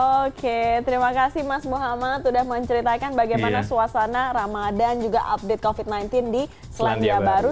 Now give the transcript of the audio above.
oke terima kasih mas muhammad sudah menceritakan bagaimana suasana ramadan juga update covid sembilan belas di selandia baru